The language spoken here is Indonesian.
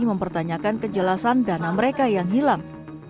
mempertanyakan kejelasan dana mereka yang hilang